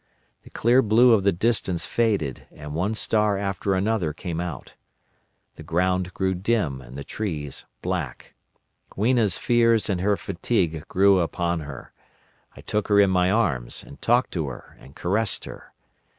The clear blue of the distance faded, and one star after another came out. The ground grew dim and the trees black. Weena's fears and her fatigue grew upon her. I took her in my arms and talked to her and caressed her.